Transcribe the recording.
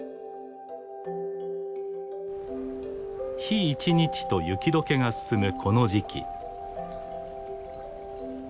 日一日と雪解けが進むこの時期。